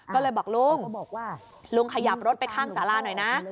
ก็เลยบอกลุงบอกว่าลุงขยับรถไปข้างสาราหน่อยนะ